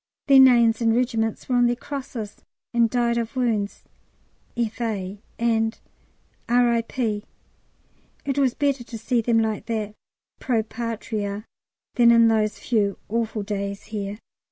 Their names and regiments were on their crosses, and "Died of wounds. F.A.," and R.I.P. It was better to see them like that Pro Patria than in those few awful days here.